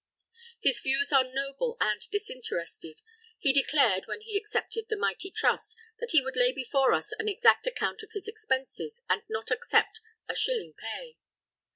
"His views are noble and disinterested. He declared, when he accepted the mighty trust, that he would lay before us an exact account of his expenses, and not accept a shilling pay."